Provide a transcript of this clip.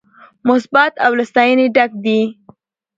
مثبت او له ستاينې ډک دي